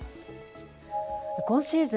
今シーズン